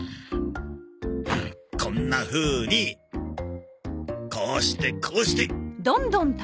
こんなふうにこうしてこうして。